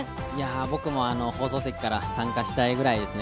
僕も放送席から参加したいぐらいですね。